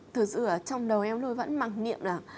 thực sự là trong đầu em luôn vẫn mặc niệm là